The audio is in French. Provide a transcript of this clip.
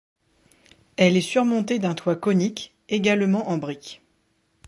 Elle est surmontée d'un toit conique, également en briques.